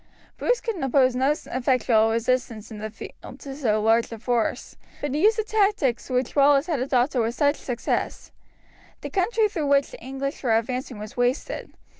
Bruce could oppose no effectual resistance in the field to so large a force, but he used the tactics which Wallace had adopted with such success. The country through which the English were advancing was wasted.